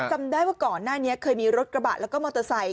จำได้ว่าก่อนหน้านี้เคยมีรถกระบะแล้วก็มอเตอร์ไซค